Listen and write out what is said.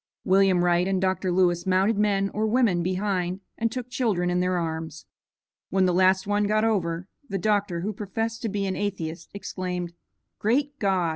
William Wright and Dr. Lewis mounted men or women behind and took children in their arms. When the last one got over, the doctor, who professed to be an atheist, exclaimed, "Great God!